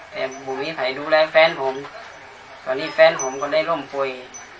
แต่บุมิอุทัยดูแลแฟนผมตอนนี้แฟนผมก็ได้ร่มโปรย